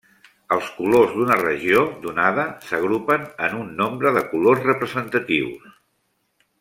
Els colors d’una regió donada s’agrupen en un nombre de colors representatius.